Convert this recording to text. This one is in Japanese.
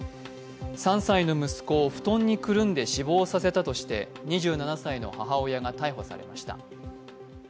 ３歳の息子を布団にくるんで死亡させたとして２７歳の女が逮捕されました。